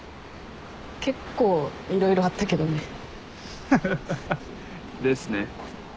結構色々あったけどね。ハハハ。ですね。